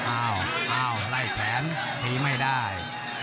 อ้าวอ้าวไล่แขนตีไม่ได้